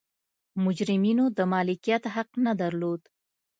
مجرمینو د مالکیت حق نه درلود.